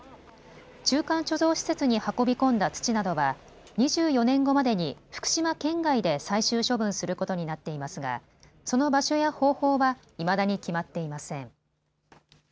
中間貯蔵施設に運び込んだ土などは２４年後までに福島県外で最終処分することになっていますが、その場所や方法はいまだに決まっていません。